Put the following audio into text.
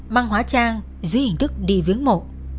mang hóa trang dưới hình thức đi viếng mộ